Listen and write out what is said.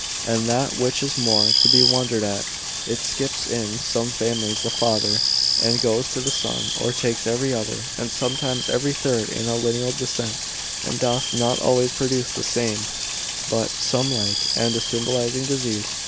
And that which is more to be wondered at, it skips in some families the father, and goes to the son, or takes every other, and sometimes every third in a lineal descent, and doth not always produce the same, but some like, and a symbolizing disease.